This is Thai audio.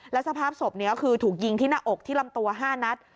แล้วสภาพศพนี้คือถูกยิงที่หน้าอกที่ลำตัว๕นัด